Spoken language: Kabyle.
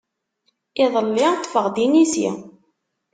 Iḍelli ṭṭfeɣ-d inisi.